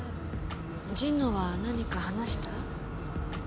神野は何か話した？